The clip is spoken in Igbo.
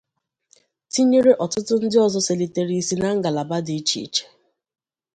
tinyere ọtụtụ ndị ọzọ selitere isi na ngalaba dị iche iche